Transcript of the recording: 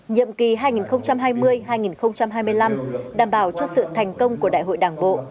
nhiệm kỳ hai nghìn hai mươi hai nghìn hai mươi năm đảm bảo cho sự thành công của đại hội đảng bộ